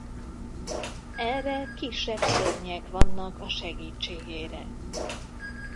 Erre kisebb szörnyek vannak a segítségére.